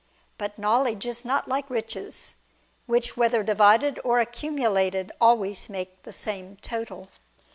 But knowledge is not like riches, which whether divided or accumulated, always make the same total.